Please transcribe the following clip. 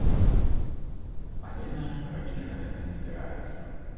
Алена, рабіць гэтага не збіраецца.